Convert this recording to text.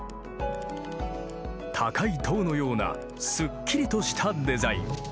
高い塔のようなすっきりとしたデザイン。